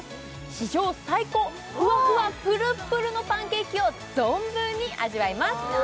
史上最高ふわふわプルプルのパンケーキを存分に味わいます！